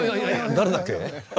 「誰だっけ」？